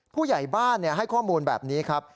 ผู้ใหญ่บ้านให้ข้อมูลแบบนี้ครับ